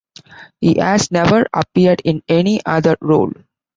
He has never appeared in any other role.